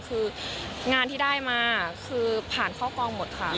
คืองานที่ได้มาคือผ่านเข้ากองหมดค่ะ